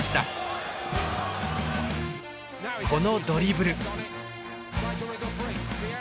このドリブル。